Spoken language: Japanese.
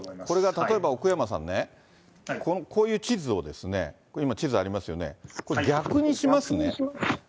これが例えば、奥山さんね、こういう地図をですね、今地図ありますよね、これ、逆にしますね。